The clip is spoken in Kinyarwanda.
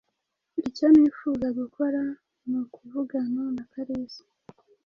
Icyo nifuza gukora ni ukuvugana na Kalisa.